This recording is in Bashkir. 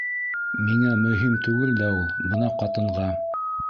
-Миңә мөһим түгел дә ул, бына ҡатынға.